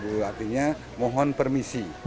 artinya mohon permisi